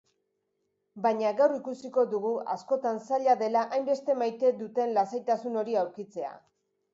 Baina gaur ikusiko dugu askotan zaila dela hainbeste maite duten lasaitasun hori aurkitzea.